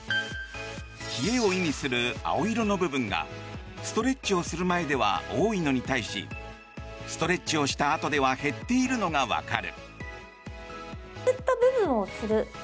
冷えを意味する青色の部分がストレッチをする前では多いのに対しストレッチをしたあとでは減っているのがわかる。